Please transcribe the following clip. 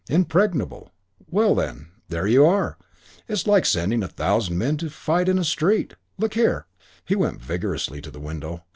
Impregnable. Well, then. There you are. It's like sending a thousand men to fight in a street. Look here " He went vigorously to the window.